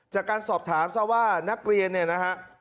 จากการสอบถามเช่นว่านักเรียนนี้นะครับ